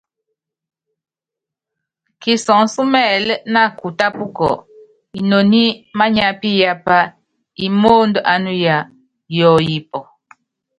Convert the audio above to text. Kisunsɔ́ mɛ́ɛ́lɛ́ na kutápukɔ, inoni mániápíyapá ímóóndó ánuya yɔɔyipɔ.